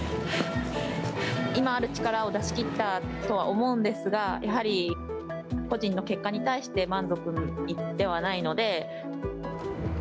今ある力を出しきったとは思うんですがやはり個人の結果に対しては満足いってはないので。